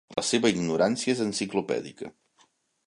«la seva ignorància és enciclopèdica».